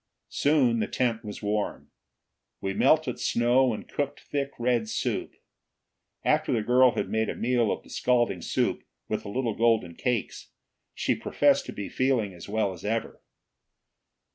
Soon the tent was warm. We melted snow and cooked thick red soup. After the girl had made a meal of the scalding soup, with the little golden cakes, she professed to be feeling as well as ever.